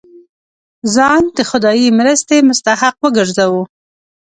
ځان د خدايي مرستې مستحق وګرځوو.